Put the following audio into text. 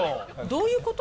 どういうこと？